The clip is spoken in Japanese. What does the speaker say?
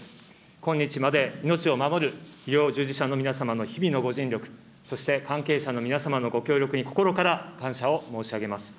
今日まで命を守る医療従事者の皆様の日々のご尽力、そして関係者の皆様のご協力に心から感謝を申し上げます。